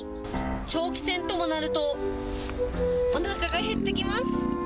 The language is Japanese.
長期戦ともなると、おなかが減ってきます。